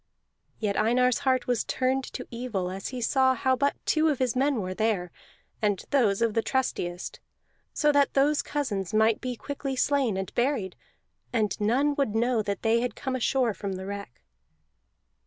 Yet Einar's heart was turned to evil as he saw how but two of his men were there, and those of the trustiest; so that those cousins might be quickly slain, and buried, and none would know that they had come ashore from the wreck.